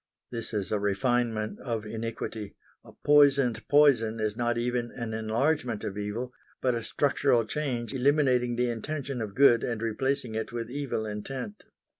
This is a refinement of iniquity; a poisoned poison is not even an enlargement of evil but a structural change eliminating the intention of good and replacing it with evil intent.